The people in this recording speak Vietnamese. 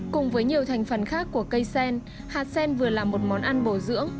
cùng với nhiều thành phần khác của cây sen hạt sen vừa là một món ăn bổ dưỡng